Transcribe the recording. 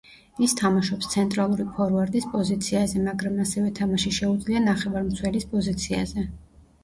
ის თამაშობს ცენტრალური ფორვარდის პოზიციაზე, მაგრამ ასევე თამაში შეუძლია ნახევარმცველის პოზიციაზე.